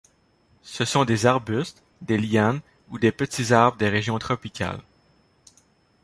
Ce sont des arbustes, des lianes ou des petits arbres des régions tropicales.